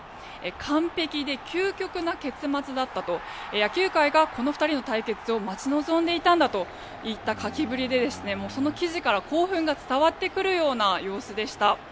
完璧で究極な結末だったと野球界がこの２人の対決を待ち望んでいたんだといった書きぶりでその記事から興奮が伝わってくるような様子でした。